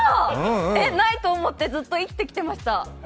ないと思ってずっとこれまで生きてきました。